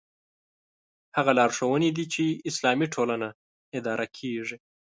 هغه لارښوونې دي چې اسلامي ټولنه اداره کېږي.